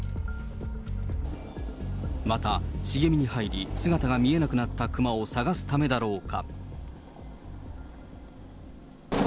また、茂みに入り、姿が見えなくなった熊を探すためだろうか。